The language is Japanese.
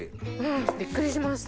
びっくりしました。